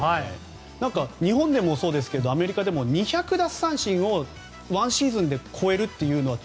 日本でもそうですけどアメリカでも２００奪三振を１シーズンで超えるというのは